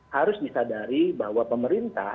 harus disadari bahwa pemerintah